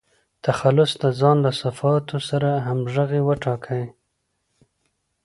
تخلص د ځان له صفاتو سره همږغي وټاکئ.